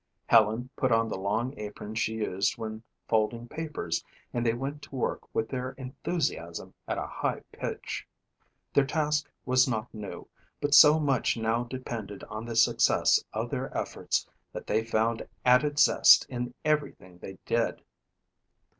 Helen put on the long apron she used when folding papers and they went to work with their enthusiasm at a high pitch. Their task was not new but so much now depended on the success of their efforts that they found added zest in everything they did.